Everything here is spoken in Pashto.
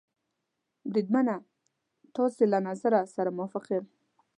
بریدمنه، ستاسې له نظر سره موافق یم.